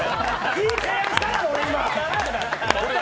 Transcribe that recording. いい提案しただろ、今。